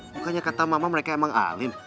bukannya kata mama mereka emang alim